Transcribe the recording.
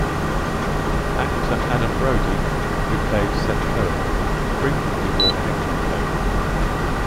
Actor Adam Brody, who played Seth Cohen, frequently wore Penguin clothing.